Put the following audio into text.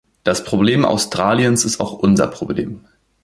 Das Problem Australiens ist auch unser Problem.